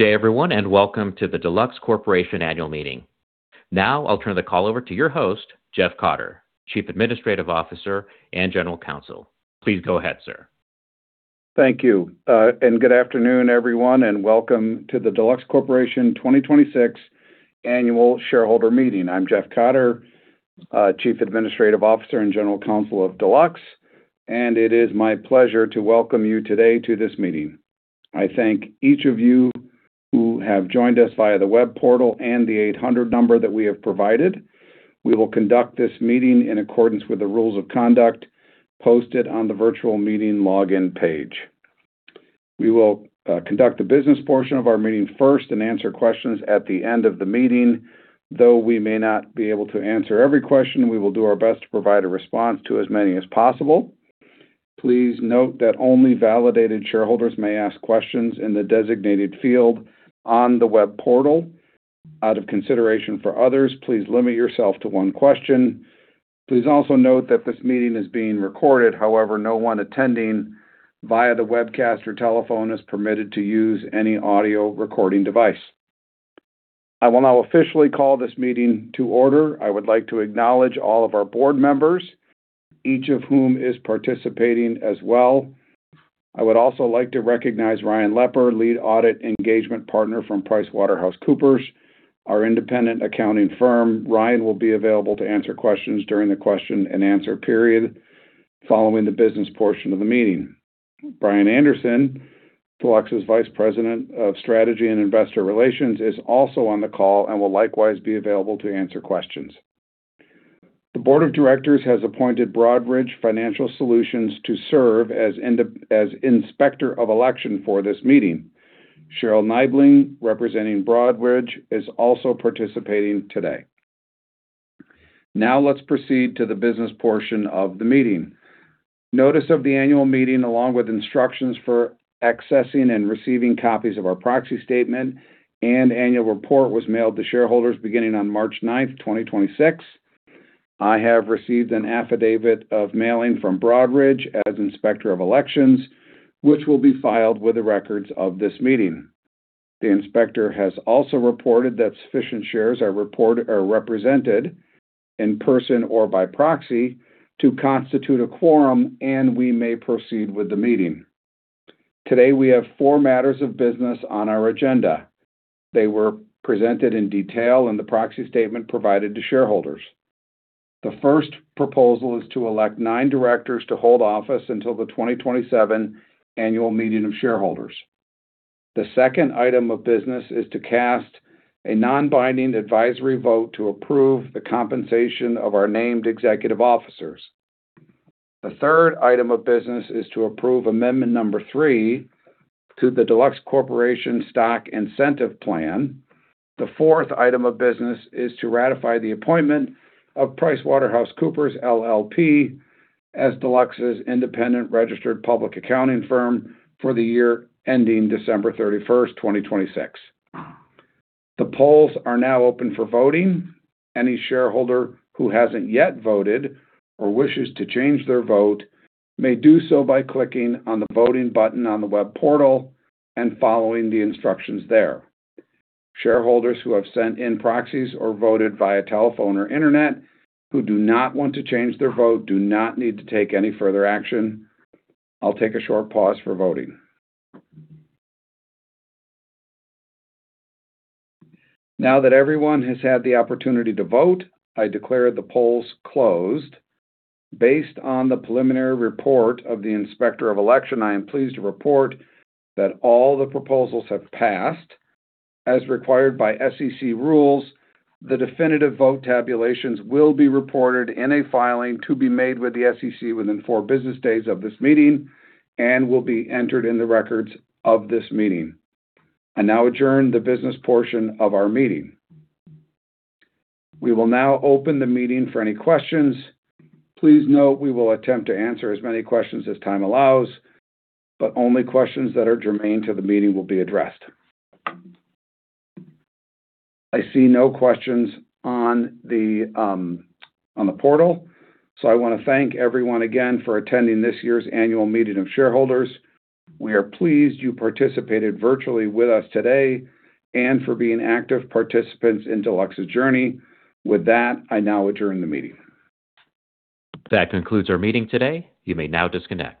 Good day everyone, and welcome to the Deluxe Corporation Annual Meeting. Now, I'll turn the call over to your host, Jeff Cotter, Chief Administrative Officer and General Counsel. Please go ahead, sir. Thank you. Good afternoon, everyone, and welcome to the Deluxe Corporation 2026 Annual Shareholder Meeting. I'm Jeff Cotter, Chief Administrative Officer and General Counsel of Deluxe, and it is my pleasure to welcome you today to this meeting. I thank each of you who have joined us via the web portal and the 800 number that we have provided. We will conduct this meeting in accordance with the rules of conduct posted on the virtual meeting login page. We will conduct the business portion of our meeting first and answer questions at the end of the meeting. Though we may not be able to answer every question, we will do our best to provide a response to as many as possible. Please note that only validated shareholders may ask questions in the designated field on the web portal. Out of consideration for others, please limit yourself to one question. Please also note that this meeting is being recorded. However, no one attending via the webcast or telephone is permitted to use any audio recording device. I will now officially call this meeting to order. I would like to acknowledge all of our board members, each of whom is participating as well. I would also like to recognize Ryan Loepp, lead audit engagement partner from PricewaterhouseCoopers, our independent accounting firm. Ryan will be available to answer questions during the question and answer period following the business portion of the meeting. Brian Anderson, Deluxe's Vice President of Strategy and Investor Relations, is also on the call and will likewise be available to answer questions. The board of directors has appointed Broadridge Financial Solutions to serve as inspector of election for this meeting. Cheryl Nibling, representing Broadridge, is also participating today. Now, let's proceed to the business portion of the meeting. Notice of the annual meeting, along with instructions for accessing and receiving copies of our proxy statement and annual report, was mailed to shareholders beginning on 9th March 2026. I have received an affidavit of mailing from Broadridge as inspector of elections, which will be filed with the records of this meeting. The inspector has also reported that sufficient shares are represented in person or by proxy to constitute a quorum, and we may proceed with the meeting. Today, we have four matters of business on our agenda. They were presented in detail in the proxy statement provided to shareholders. The first proposal is to elect nine directors to hold office until the 2027 annual meeting of shareholders. The second item of business is to cast a non-binding advisory vote to approve the compensation of our named executive officers. The third item of business is to approve amendment number three to the Deluxe Corporation Stock Incentive Plan. The fourth item of business is to ratify the appointment of PricewaterhouseCoopers LLP as Deluxe's independent registered public accounting firm for the year ending 31st December 2026. The polls are now open for voting. Any shareholder who hasn't yet voted or wishes to change their vote may do so by clicking on the voting button on the web portal and following the instructions there. Shareholders who have sent in proxies or voted via telephone or Internet who do not want to change their vote do not need to take any further action. I'll take a short pause for voting. Now that everyone has had the opportunity to vote, I declare the polls closed. Based on the preliminary report of the inspector of election, I am pleased to report that all the proposals have passed. As required by SEC rules, the definitive vote tabulations will be reported in a filing to be made with the SEC within four business days of this meeting and will be entered in the records of this meeting. I now adjourn the business portion of our meeting. We will now open the meeting for any questions. Please note we will attempt to answer as many questions as time allows, but only questions that are germane to the meeting will be addressed. I see no questions on the portal, so I want to thank everyone again for attending this year's annual meeting of shareholders. We are pleased you participated virtually with us today and for being active participants in Deluxe's journey. With that, I now adjourn the meeting. That concludes our meeting today. You may now disconnect.